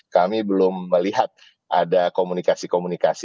kami belum melihat ada komunikasi komunikasi